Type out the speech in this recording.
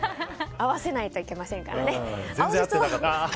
合わせないといけませんからね。